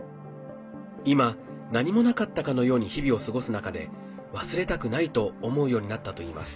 今、何もなかったかのように日々を過ごす中で忘れたくないと思うようになったといいます。